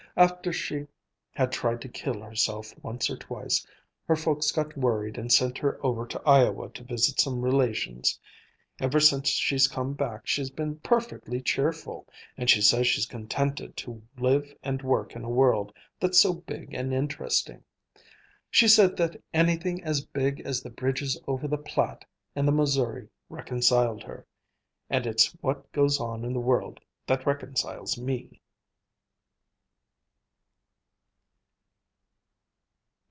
After she had tried to kill herself once or twice, her folks got worried and sent her over to Iowa to visit some relations. Ever since she's come back she's been perfectly cheerful, and she says she's contented to live and work in a world that's so big and interesting. She said that anything as big as the bridges over the Platte and the Missouri reconciled her. And it's what goes on in the world that reconciles me."